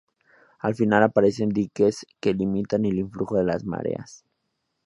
Al final aparecen diques que limitan el influjo de las mareas.